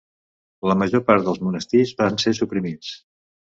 La major part dels monestirs van ser suprimits.